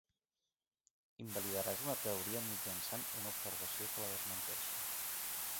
Invalidaràs una teoria mitjançant una observació que la desmenteixi.